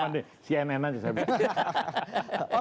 cuma di cnn aja saya bilang